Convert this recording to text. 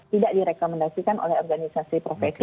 tidak direkomendasikan oleh organisasi profesi